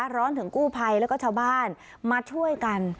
ร้อนถึงกู้ภัยแล้วก็ชาวบ้านมาช่วยกัน